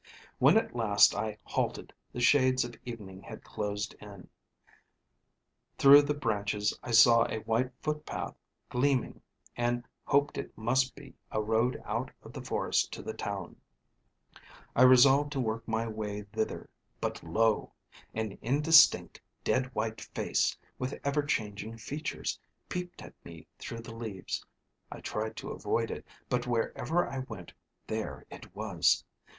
"When at last I halted, the shades of evening had closed in. Through the branches I saw a white footpath gleaming and hoped it must be a road out of the forest to the town. I resolved to work my way thither; but lo! an indistinct, dead white face, with ever changing features, peeped at me through the leaves; I tried to avoid it, but wherever I went, there it was.